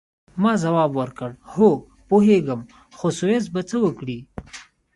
ما ځواب ورکړ: هو، پوهیږم، خو سویس به څه وکړي؟